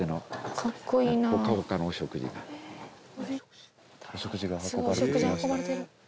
すごい。お食事が運ばれてきました。